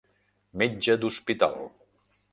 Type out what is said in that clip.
Metge d'hospital.